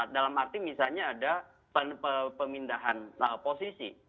dalam arti misalnya ada pemindahan posisi